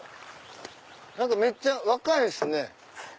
何かめっちゃ若いですね。